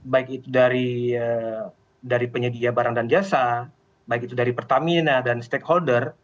baik itu dari penyedia barang dan jasa baik itu dari pertamina dan stakeholder